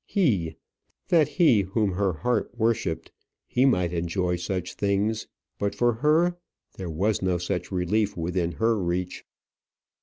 He that he whom her heart worshipped he might enjoy such things; but for her there was no such relief within her reach.